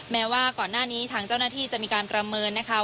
แม้ว่าก่อนหน้านี้ทางเจ้าหน้าที่จะมีการประเมินนะคะ